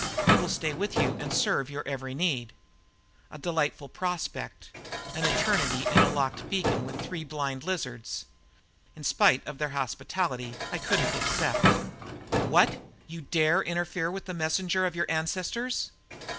We will stay with you and serve your every need." A delightful prospect, eternity spent in a locked beacon with three blind lizards. In spite of their hospitality, I couldn't accept. "What you dare interfere with the messenger of your ancestors!"